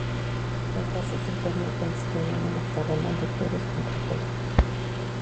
Las bases del torneo consistían en un hexagonal de todos contra todos.